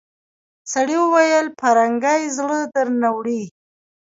سړي وويل پرنګۍ زړه درنه وړی.